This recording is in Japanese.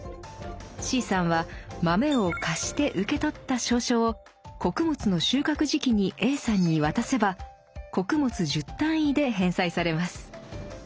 Ｃさんは豆を「貸して」受け取った「証書」を穀物の収穫時期にＡさんに渡せば「穀物１０単位」で返済されます。